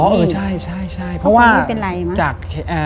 เพราะครูไม่เป็นไรมาก